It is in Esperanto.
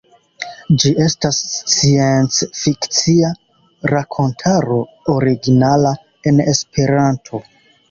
Ĝi estas sciencfikcia rakontaro, originala en esperanto.